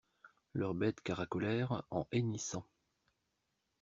Leurs bêtes caracolèrent, en hennissant.